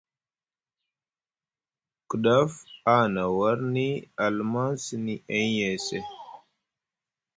Kiɗaf a hina warni a lumaŋ sini Ahiyeje.